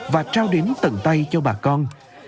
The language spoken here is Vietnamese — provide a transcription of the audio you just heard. và trao đến tận tay cho bà con